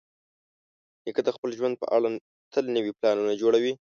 نیکه د خپل ژوند په اړه تل نوي پلانونه جوړوي.